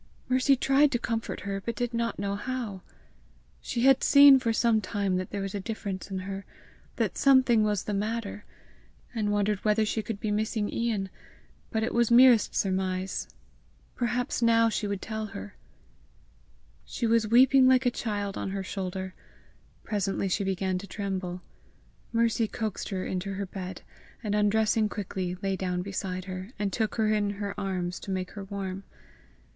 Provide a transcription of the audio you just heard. Mercy tried to comfort her, but did not know how. She had seen for some time that there was a difference in her, that something was the matter, and wondered whether she could be missing Ian, but it was merest surmise. Perhaps now she would tell her! She was weeping like a child on her shoulder. Presently she began to tremble. Mercy coaxed her into her bed, and undressing quickly, lay down beside her, and took her in her arms to make her warm.